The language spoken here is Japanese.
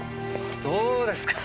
どうですか？